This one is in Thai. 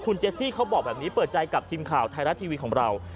เจสซี่เขาบอกแบบนี้เปิดใจกับทีมข่าวไทยรัฐทีวีของเรา